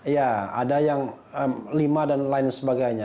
ya ada yang lima dan lain sebagainya